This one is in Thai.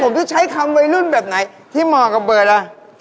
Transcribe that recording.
ผมจะใช้คำวัยรุ่นแบบไหนที่เหมาะกับเบิร์ตล่ะ